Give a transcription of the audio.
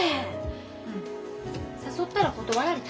うん誘ったら断られた。